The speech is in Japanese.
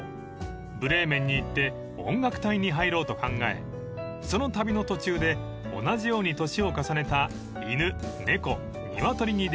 ［ブレーメンに行って音楽隊に入ろうと考えその旅の途中で同じように年を重ねた犬猫鶏に出会い